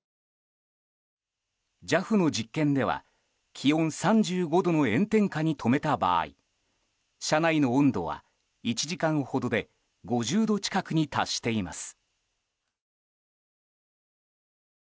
ＪＡＦの実験では気温３５度の炎天下に止めた場合車内の温度は１時間ほどで５０度近くに達しています。